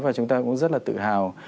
và chúng ta cũng rất là tự hào